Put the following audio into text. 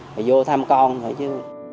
rồi vô thăm con thôi chứ